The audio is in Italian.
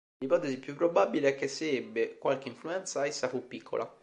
L'ipotesi più probabile è che se ebbe qualche influenza essa fu piccola.